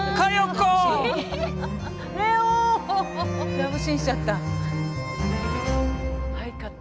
ラブシーンしちゃった。